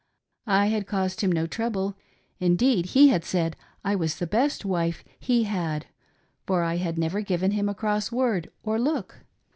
I had caused him no trouble ; indeed, he had said I was the best wife he had, for I had never given him a cross word or look.